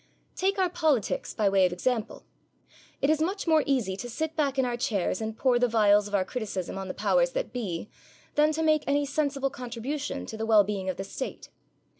Take our politics, by way of example. It is much more easy to sit back in our chairs and pour the vials of our criticism on the powers that be than to make any sensible contribution to the well being of the State.